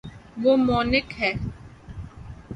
وہ مونک ہے